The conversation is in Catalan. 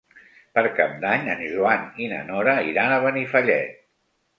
Per Cap d'Any en Joan i na Nora iran a Benifallet.